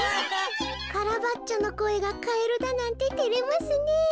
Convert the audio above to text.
カラバッチョのこえがカエルだなんててれますねえ。